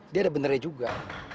dia ada beneran juga